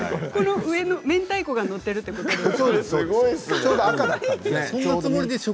上にめんたいこが載っているということですか。